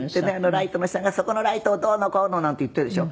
ライトのおじさんがそこのライトをどうのこうのなんて言ってるでしょ。